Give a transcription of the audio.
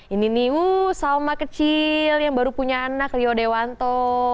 ini nih salma kecil yang baru punya anak rio dewanto